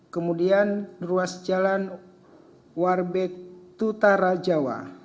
kemudian ruas jalan warbe tutara jawa